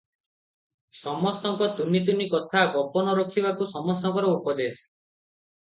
ସମସ୍ତଙ୍କ ତୁନି ତୁନି କଥା, ଗୋପନ ରଖିବାକୁ ସମସ୍ତଙ୍କର ଉପଦେଶ ।